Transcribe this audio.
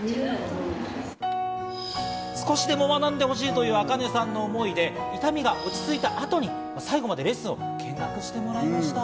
少しでも学んでほしいというａｋａｎｅさんの思いで痛みが落ち着いた後に最後までレッスンを見学してもらいました。